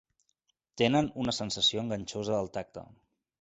Tenen una sensació enganxosa al tacte.